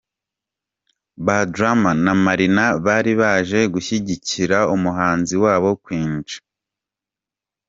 Bad Rama na Marina bari baje gushyigikira umuhanzi wabo Queen Cha